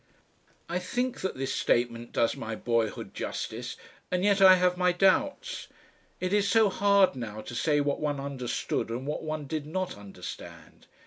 I think this statement does my boyhood justice, and yet I have my doubts. It is so hard now to say what one understood and what one did not understand.